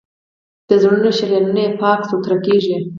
د زړه شریانونه یې پاک سوتړه کېږي.